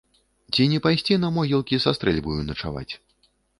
Ці не пайсці на могілкі са стрэльбаю начаваць?